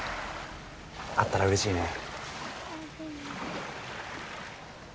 あったらうれしいね。